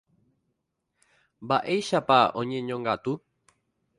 Mba'éichapa oñeñongatu.